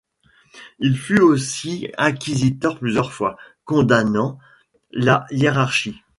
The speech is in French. Il fut aussi inquisiteur plusieurs fois, condamnant la hiérarchie.